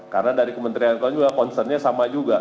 karena dari kementerian eko juga concern nya sama juga